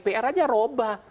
bapak raja roba